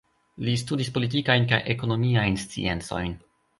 Li studis Politikajn kaj Ekonomiajn Sciencojn.